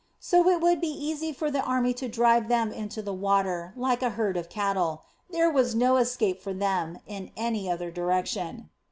So it would be easy for the army to drive them into the water like a herd of cattle; there was no escape for them in any other direction.